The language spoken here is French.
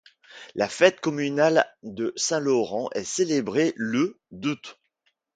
La fête communale de Saint-Laurent est célébrée le d'août.